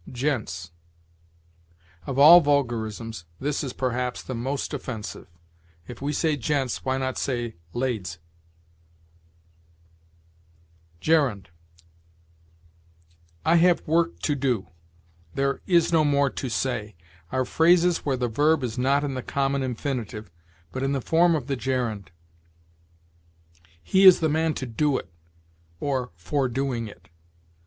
GENTS. Of all vulgarisms, this is, perhaps, the most offensive. If we say gents, why not say lades? GERUND. "'I have work to do,' 'there is no more to say,' are phrases where the verb is not in the common infinitive, but in the form of the gerund. 'He is the man to do it, or for doing it.'